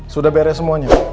sudah beres semuanya